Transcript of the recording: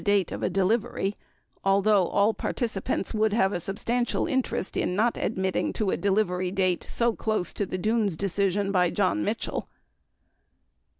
967 date of a delivery, although all participants would have a substantial interest in not admitting to a delivery date so close to the Dunes decision by John Mitchell.